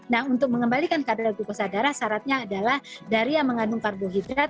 nah untuk mengembalikan kadar glukosa darah syaratnya adalah dari yang mengandung karbohidrat